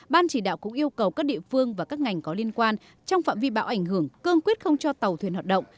ban chỉ đạo cũng yêu cầu các địa phương và các ngành có liên quan trong phạm vi bão ảnh hưởng cương quyết không cho tàu thuyền hoạt động